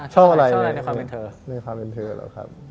ชอบอะไรนะ